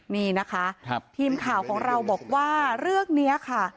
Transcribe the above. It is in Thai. นี่นะคะทีมข่าวของเราบอกว่าเรื่องนี้ค่ะ